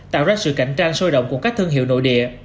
tạo ra sự cạnh tranh sôi động của các thương hiệu nội địa